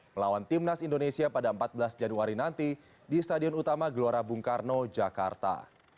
melawan timnas indonesia pada empat belas januari nanti di stadion utama gelora bung karno jakarta